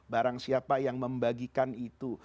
barang siapa yang membagikan itu